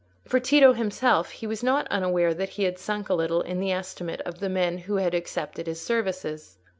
For Tito himself, he was not unaware that he had sunk a little in the estimate of the men who had accepted his services.